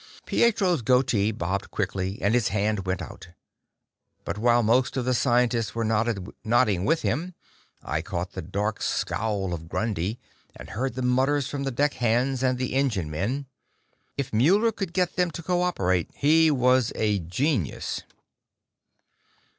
Pietro's goatee bobbed quickly, and his hand went out. But while most of the scientists were nodding with him, I caught the dark scowl of Grundy, and heard the mutters from the deckhands and the engine men. If Muller could get them to cooperate, he was a genius.